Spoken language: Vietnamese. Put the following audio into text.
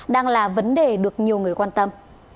đang là vấn đề được nhiều người quan tâm